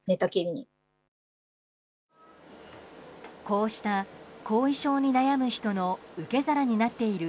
こうした後遺症に悩む人の受け皿になっている